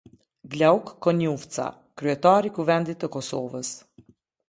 Glauk Konjufca - kryetar i Kuvendit të Kosovës.